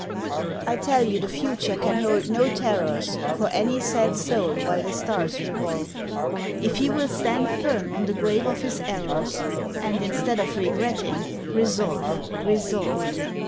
I tell you the future can hold no terrors For any sad soul while the stars revolve, If he will stand firm on the grave of his errors, And instead of regretting, resolve, resolve.